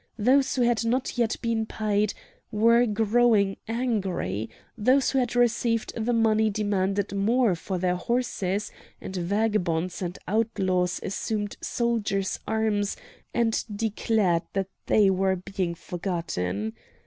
Those who had not yet been paid were growing angry, those who had received the money demanded more for their horses; and vagabonds and outlaws assumed soldiers' arms and declared that they were being forgotten.